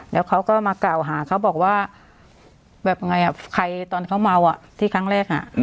แล้วเขาก็มากล่าวหาเขาบอกว่าแบบไงใครตอนเขาเมาอ่ะที่ครั้งแรก